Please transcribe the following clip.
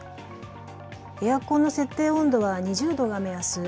エアコンの設定温度は２０度が目安。